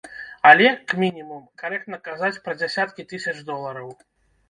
Але, к мінімум, карэктна казаць пра дзясяткі тысяч долараў.